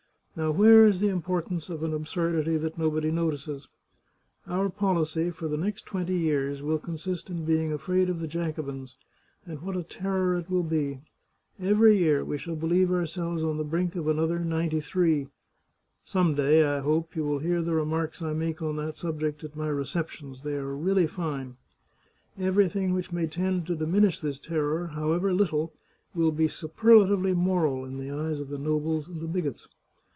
Now where is the importance of an absurdity that nobody notices ? Our policy for the next twenty years will consist in being afraid of the Jacobins, and what a terror it will be! Every year we shall believe ourselves on the brink of another '93. Some day, I hope, you will hear the remarks I make on that subject at my receptions ; they are really fine ! Everything which may tend to diminish this terror, however little, will be superlatively moral in the eyes of the nobles and the bigots.